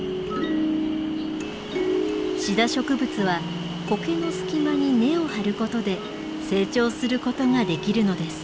シダ植物はコケの隙間に根を張ることで成長することができるのです。